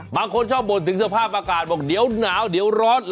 บางคนชอบบ่นถึงสภาพอากาศบอกเดี๋ยวหนาวเดี๋ยวร้อน